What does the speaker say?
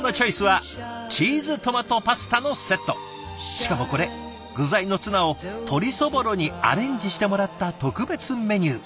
しかもこれ具材のツナを鶏そぼろにアレンジしてもらった特別メニュー。